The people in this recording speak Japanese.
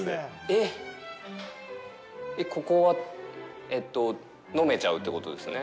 えっ、ここは、えっと、飲めちゃうってことですね？